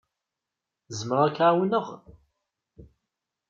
Zemreɣ ad k-ɛawneɣ?